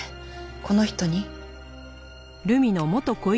この人に？